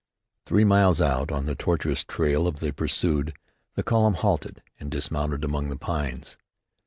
Three miles out, on the tortuous trail of the pursued, the column halted and dismounted among the pines.